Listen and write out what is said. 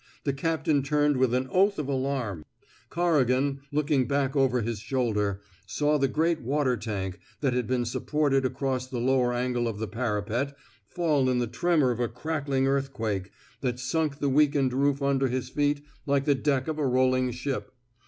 The captain turned with an oath of alarm. Corrigan, looking back over his shoulder, saw the great water tank, that had been sup ported across the lower angle of the parapet, fall in the tremor of a crackling earthquake that sunk the weakened roof under his feet like the deck of a rolling ship.